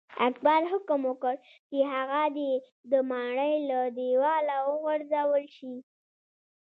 اکبر حکم وکړ چې هغه دې د ماڼۍ له دیواله وغورځول شي.